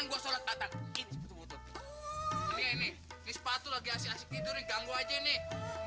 nyalain lampu lo kurang ajar lo